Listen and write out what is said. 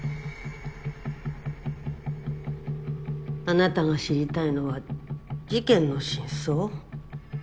あなたが知りたいのは事件の真相？